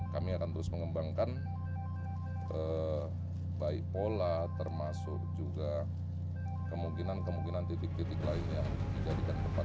kami akan terus mengembangkan baik pola termasuk juga kemungkinan kemungkinan titik titik lain yang dijadikan tempat